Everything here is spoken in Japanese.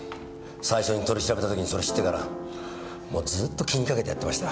最初に取り調べた時にそれ知ってからもうずーっと気に掛けてやってました。